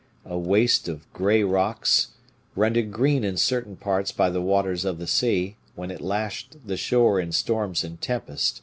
A waste of gray rocks, rendered green in certain parts by the waters of the sea, when it lashed the shore in storms and tempest.